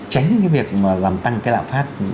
tránh cái việc mà làm tăng cái lạc phát